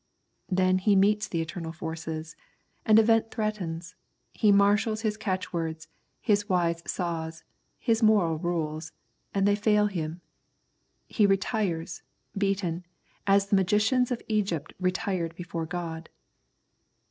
Then he meets the eternal forces, an event threatens, he marshals his catchwords, his wise saws, his moral rules, and they fail him. He retires, beaten, as the magicians of Egypt retired before God.